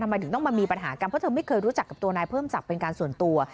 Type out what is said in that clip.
ทำไมถึงต้องมามีปัญหากันเพราะเธอไม่เคยรู้จักกับตัวนายเพิ่มศักดิ์เป็นการส่วนตัว